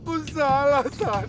aku salah san